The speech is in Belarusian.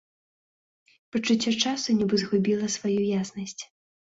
Пачуццё часу нібы згубіла сваю яснасць.